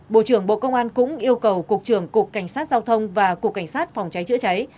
bộ trưởng bộ công an cũng yêu cầu cục trưởng cục cảnh sát giao thông và cục cảnh sát phòng cháy chữa cháy